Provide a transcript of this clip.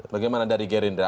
bagaimana dari gerindra